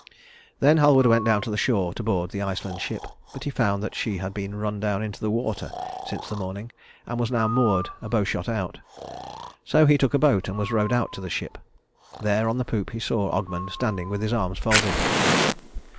Then Halward went down to the shore to board the Iceland ship; but he found that she had been run down into the water since the morning, and was now moored a bowshot out. So he took boat and was rowed out to the ship. There on the poop he saw Ogmund standing with his arms folded.